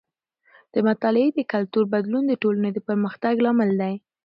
د مطالعې د کلتور بدلون د ټولنې د پرمختګ لامل دی.